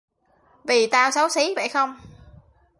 vì tao xấu xí phải không